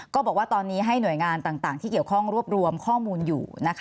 ก็บอกว่าตอนนี้ให้หน่วยงานต่างที่เกี่ยวข้องรวบรวมข้อมูลอยู่